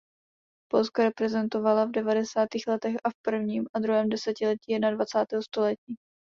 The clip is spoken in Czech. Polsko reprezentovala v devadesátých letech a v prvním a druhém desetiletí jednadvacátého století.